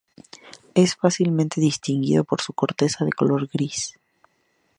Es fácilmente distinguido por su corteza de color gris.